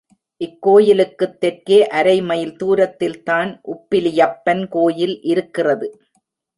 இக்கோயிலுக்குத் தெற்கே அரை மைல் தூரத்தில் தான் உப்பிலியப்பன் கோயில் இருக்கிறது.